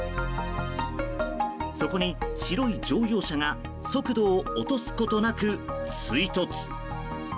そこに白い乗用車が速度を落とすことなく追突。